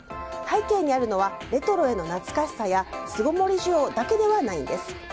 背景にあるのはレトロへの懐かしさや巣ごもり需要だけではないんです。